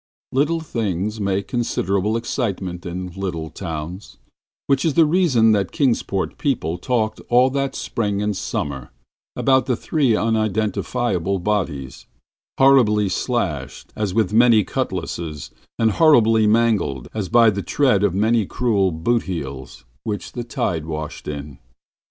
Little things make considerable excitement in little towns, which is the reason that Kingsport people talked all that spring and summer about the three unidentifiable bodies, horribly slashed as with many cutlasses, and horribly mangled as by the tread of many cruel boot heels, which the tide washed in.